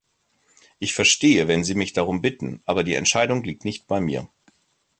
Ich verstehe, wenn Sie mich darum bitten, aber die Entscheidung liegt nicht bei mir.